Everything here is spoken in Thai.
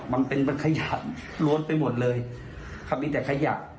มันเป็นมันขยะล้วนไปหมดเลยครับมีแต่ขยะ